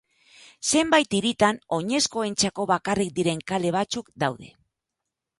Zenbait hiritan oinezkoentzako bakarrik diren kale batzuk daude.